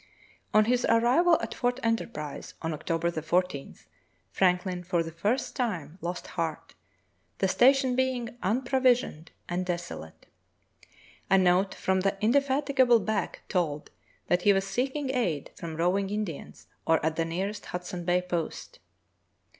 On his arrival at Fort Enterprise on October 14, Franklin for the first time lost heart, the station being unprovisioned and desolate. A note from the indefat igable Back told that he was seeking aid from roving Indians or at the nearest Hudson Bay post.